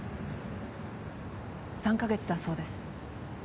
３か月だそうです。